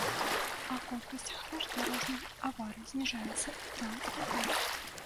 А колькасць ахвяр дарожных аварый зніжаецца і там, і тут.